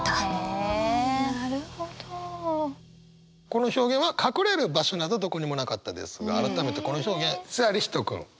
この表現は「隠れる場所などどこにもなかった」ですが改めてこの表現さあ李光人君。